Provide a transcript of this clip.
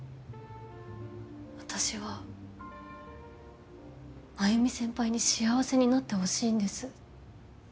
私は繭美先輩に幸せになってほしいんです。